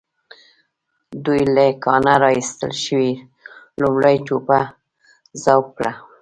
دوی له کانه را ايستل شوې لومړۍ جوپه ذوب کړه.